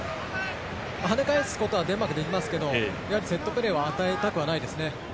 跳ね返すことはデンマーク、できますけどセットプレーを与えたくないですね。